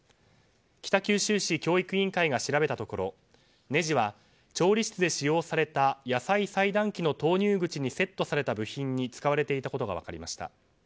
北九州市教育委員会が調べたところネジは調理室で使用された野菜裁断機の投入口にセットされた部品に使われていたことが分かりました。